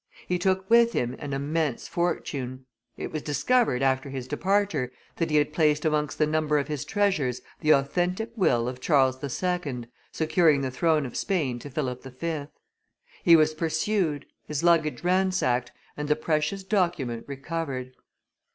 He took with him an immense fortune. It was discovered, after his departure, that he had placed amongst the number of his treasures, the authentic will of Charles II., securing the throne of Spain to Philip V. He was pursued, his luggage ransacked, and the precious document recovered.